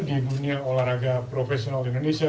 di dunia olahraga profesional indonesia